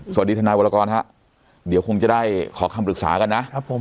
สวัสดีทนาวรกรนะครับเดี๋ยวคงจะได้ขอคำปรึกษากันนะ